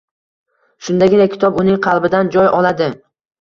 shundagina kitob uning qalbidan joy oladi.